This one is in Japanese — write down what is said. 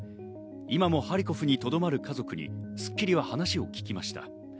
今もハリコフにとどまる家族に『スッキリ』は話を聞きました。